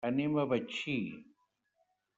Anem a Betxí.